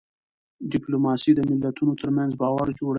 ډيپلوماسي د ملتونو ترمنځ باور جوړوي.